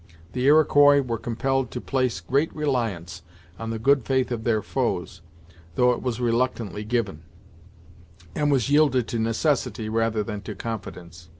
The Iroquois were compelled to place great reliance on the good faith of their foes, though it was reluctantly given; and was yielded to necessity rather than to confidence.